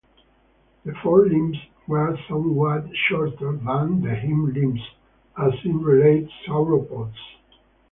The forelimbs were somewhat shorter than the hindlimbs, as in related sauropods.